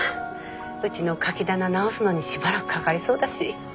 うちのカキ棚直すのにしばらくかかりそうだし。